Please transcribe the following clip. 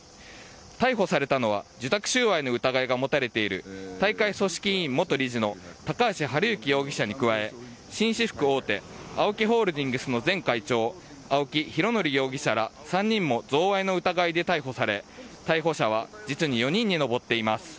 逮捕されたのは受託収賄の疑いが持たれている大会組織委員元理事の高橋治之元理事に加え紳士服大手ＡＯＫＩホールディングスの前会長青木拡憲容疑者ら３人も贈賄の疑いで逮捕され逮捕者は実に４人に上っています。